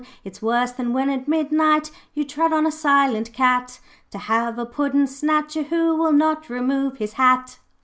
'It's worse than when at midnight you Tread on a silent cat, To have a puddin' snatcher who Will not remove his hat.'